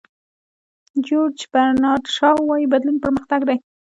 جیورج برنارد شاو وایي بدلون پرمختګ دی.